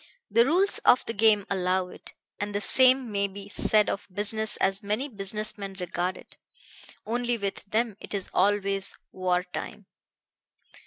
The rules of the game allow it; and the same may be said of business as many business men regard it. Only with them it is always war time."